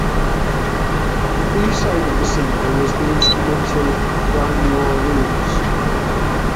The B-side of the single is the instrumental "Brand New Orleans".